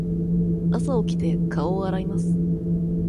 朝起きて、顔を洗います。